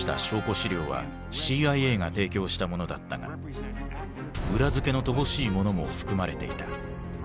資料はＣＩＡが提供したものだったが裏付けの乏しいものも含まれていた。